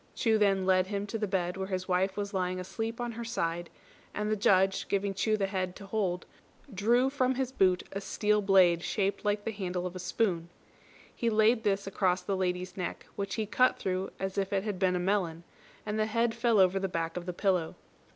Chu then led him to the bed where his wife was lying asleep on her side; and the Judge, giving Chu the head to hold, drew from his boot a steel blade shaped like the handle of a spoon. He laid this across the lady's neck, which he cut through as if it had been a melon, and the head fell over the back of the pillow.